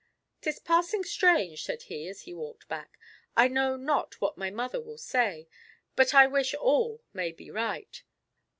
"'Tis passing strange," said he, as he walked back; "I know not what my mother will say, but I wish all may be right.